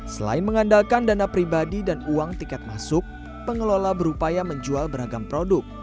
selain mengandalkan dana pribadi dan uang tiket masuk pengelola berupaya menjual beragam produk